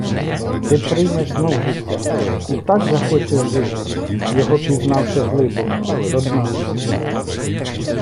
Ти приймеш знов життя і так захочеш жити, його пізнавши глибоко, до дна